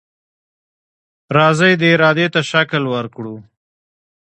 راځئ دې ارادې ته شکل ورکړو.